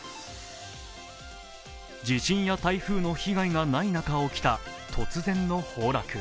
地震や台風の被害がない中起きた突然の崩落。